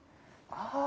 ああ！